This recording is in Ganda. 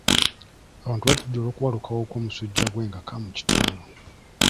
Abantu batidde olw'okubalukawo kw'omusujja gw'enkaka mu kitundu.